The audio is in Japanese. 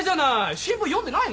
新聞読んでないの？